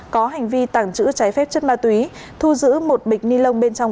có hành vi tàng trữ trái phép chất ma túy thu giữ một bịch ni lông bên trong